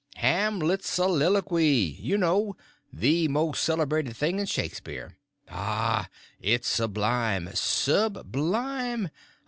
"Hamlet's soliloquy, you know; the most celebrated thing in Shakespeare. Ah, it's sublime, sublime!